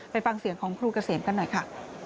ฟังเสียงของครูเกษมกันหน่อยค่ะ